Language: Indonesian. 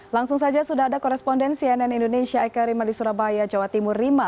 langsung saja sudah ada koresponden cnn indonesia eka rima di surabaya jawa timur rima